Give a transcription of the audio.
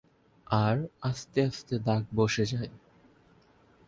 আর আস্তে আস্তে দাগ বসে যায়।